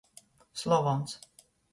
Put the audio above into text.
Slovons.